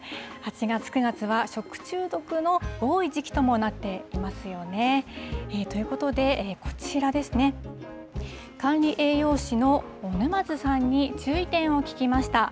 ８月、９月は食中毒の多い時期ともなっていますよね。ということで、こちらですね、管理栄養士の沼津さんに、注意点を聞きました。